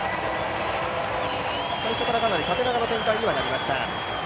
最初からかなり縦長の展開にはなりました。